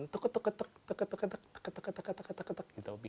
tukuk tukuk tukuk tukuk tukuk tukuk tukuk tukuk tukuk tukuk gitu